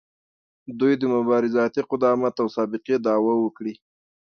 دوی د مبارزاتي قدامت او سابقې دعوه وکړي.